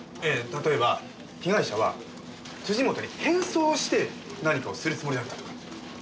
例えば被害者は本に変装して何かをするつもりだったとか。